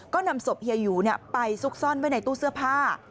ก็นำศพเฮียหยูไปซุกซ่อนไว้ในตู้เสื้อผ้า